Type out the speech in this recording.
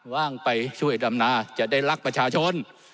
ว่างไปช่วยดำนาจะได้รักประชาชน